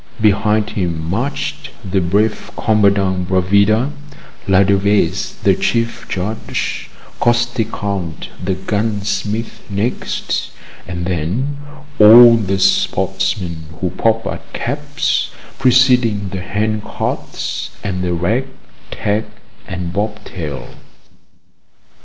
Behind him marched the brave Commandant Bravida, Ladevese the Chief Judge, Costecalde the gunsmith next, and then all the sportsmen who pop at caps, preceding the hand carts and the rag, tag, and bobtail.